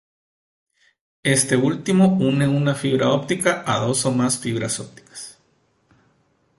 Este último une una fibra óptica a dos o más fibras ópticas.